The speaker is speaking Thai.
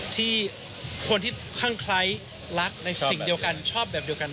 ที่คนที่ข้างไคร้รักในสิ่งเดียวกันชอบแบบเดียวกัน